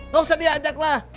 gak usah diajak lah